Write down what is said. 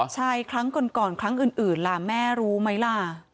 ใช่ครั้งก่อนครั้งอื่นล่ะแม่รู้ไหมล่ะ